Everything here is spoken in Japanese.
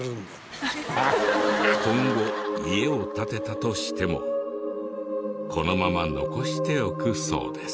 今後家を建てたとしてもこのまま残しておくそうです。